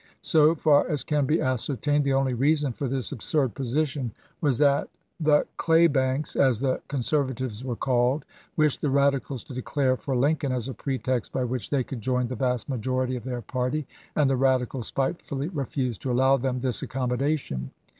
So far as can be ascertained the only reason for this absurd position was that the " Claybanks," as the Conser vatives were called, wished the Radicals to declare for Lincoln as a pretext by which they could join the vast majority of their party, and the Radicals spitefully refused to allow them this accommoda tion.